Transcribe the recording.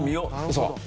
そう。